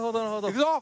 いくぞ！